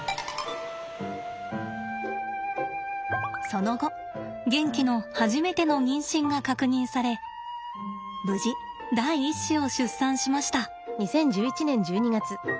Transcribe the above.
その後ゲンキの初めての妊娠が確認され無事第一子を出産しました。